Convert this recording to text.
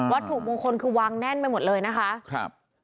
ถูกมงคลคือวางแน่นไปหมดเลยนะคะครับ